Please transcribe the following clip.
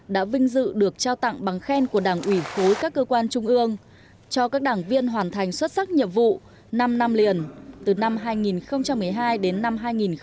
đã vinh dự được trao tặng bằng khen của đảng ủy khối các cơ quan trung ương cho các đảng viên hoàn thành xuất sắc nhiệm vụ năm năm liền từ năm hai nghìn một mươi hai đến năm hai nghìn một mươi tám